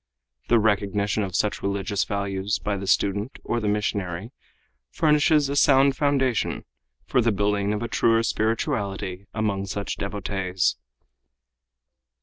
The recognition of such religious values by the student or the missionary furnishes a sound foundation for the building of a truer spirituality among such devotees.